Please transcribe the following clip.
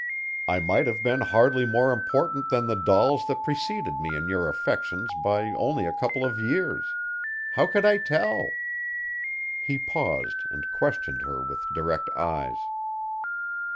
I might have been hardly more important than the dolls that preceded me in your affections by only a couple of years. How could I tell?" He paused and questioned her with direct eyes.